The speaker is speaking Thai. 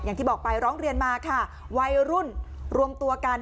อย่างที่บอกไปร้องเรียนมาค่ะวัยรุ่นรวมตัวกัน